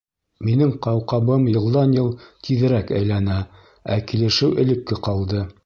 Минең ҡауҡабым йылдан йыл тиҙерәк әйләнә, ә килешеү элекке ҡалды.